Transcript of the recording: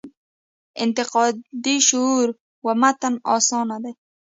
د انتقادي شعور و متن اساس دی.